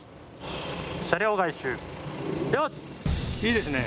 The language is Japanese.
いいですね。